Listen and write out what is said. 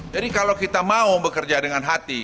jadi kalau kita mau bekerja dengan hati